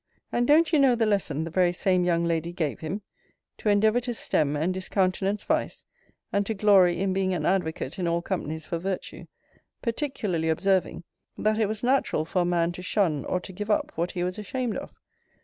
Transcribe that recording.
And don't you know the lesson the very same young lady gave him, 'To endeavour to stem and discountenance vice, and to glory in being an advocate in all companies for virtue;' particularly observing, 'That it was natural for a man to shun or to give up what he was ashamed of?'